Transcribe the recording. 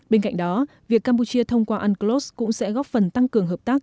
bên cạnh đó việc campuchia thông qua unclos cũng sẽ góp phần tăng cường hợp tác